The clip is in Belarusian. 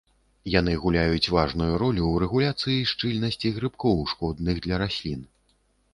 Яны гуляюць важную ролю ў рэгуляцыі шчыльнасці грыбкоў, шкодных для раслін.